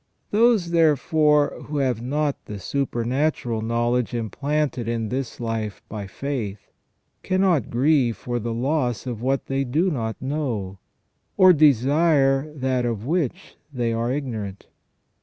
Those, therefore, who have not the supernatural know ledge implanted in this life by faith, cannot grieve for the loss of what they do not know, or desire that of which they are ignorant.